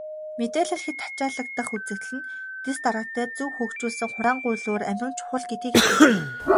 Мэдээлэл хэт ачаалагдах үзэгдэл нь дэс дараатай, зөв хөгжүүлсэн хураангуйлуур амин чухал гэдгийг илтгэдэг.